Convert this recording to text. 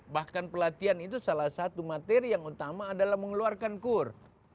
bahkan pelatihan itu salah satu materi yang utama adalah mengeluarkan kur